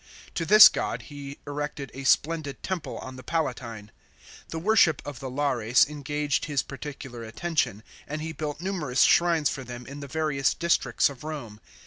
To this god he erected a splendid temple on the Palatine. The worship of the Lares engaged his particular attention, and he built numerous shrines for them in the various districts of Rome.